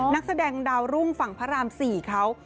นักแสดงดาวรุ่งฝั่งพระราม๔เขา